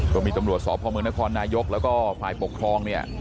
ก็มีจมรวจสพนนและภายปกครอง